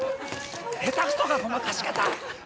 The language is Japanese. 下手くそかごまかし方！